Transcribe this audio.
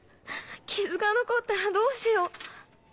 傷が残ったらどうしよう。